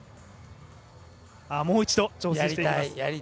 もう一度、挑戦していきます。